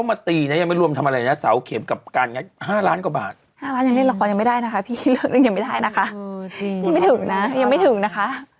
พูดไม่ถึงนะยังไม่ถึงนะคะ